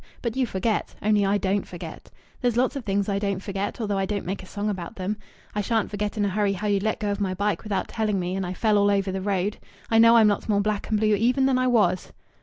But you forget. Only I don't forget. There's lots of things I don't forget, although I don't make a song about them. I shan't forget in a hurry how you let go of my bike without telling me and I fell all over the road. I know I'm lots more black and blue even than I was."